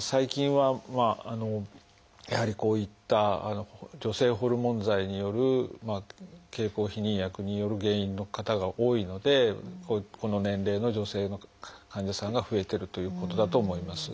最近はやはりこういった女性ホルモン剤による経口避妊薬による原因の方が多いのでこの年齢の女性の患者さんが増えてるということだと思います。